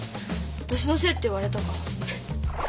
わたしのせいって言われたから。